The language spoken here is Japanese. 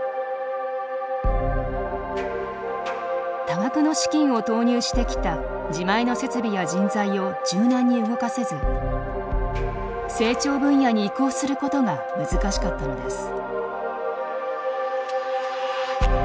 多額の資金を投入してきた自前の設備や人材を柔軟に動かせず成長分野に移行することが難しかったのです。